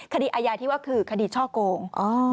คดีอายาที่ว่าคือคดีช่อโกง